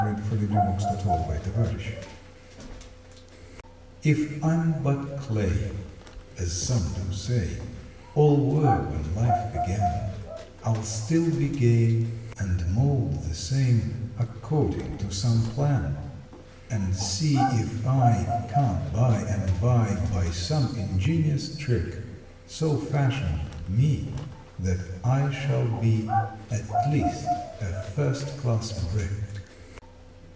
August Twenty third AS TO CLAY TF I m but clay, As some do say All were when life began, I ll still be game And mold the same According to some plan, And see if I Can t by and by By some ingenious trick So fashion ME That I shall be At least a first class brick.